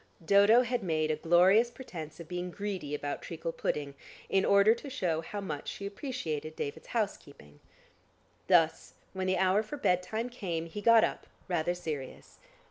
Dodo had made a glorious pretence of being greedy about treacle pudding, in order to show how much she appreciated David's housekeeping. Thus, when the hour for bed time came, he got up, rather serious.